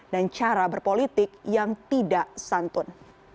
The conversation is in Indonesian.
dan cara berpolitik yang tidak santun